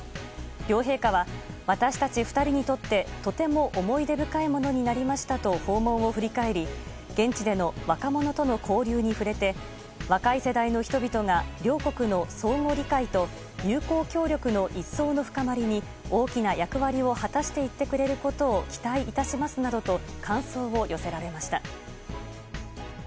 両陛下は、私たち２人にとってとても思い出深いものになりましたと訪問を振り返り現地での若者との交流に触れて若い世代の人々が両国の相互理解と友好協力の一層の深まりに大きな役割を果たしていってくれることを期待いたしますなどと感想を寄せられました。